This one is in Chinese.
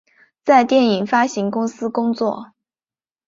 在电影发行公司工作。